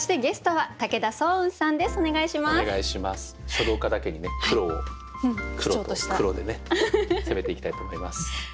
書道家だけにね黒を黒と黒でね攻めていきたいと思います。